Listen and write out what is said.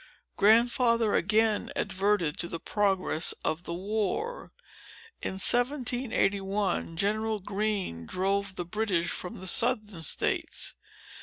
Grandfather again adverted to the progress of the war. In 1781, General Greene drove the British from the Southern States.